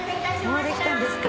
もうできたんですか？